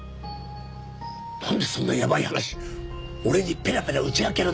なんでそんなやばい話俺にペラペラ打ち明けるんだよ。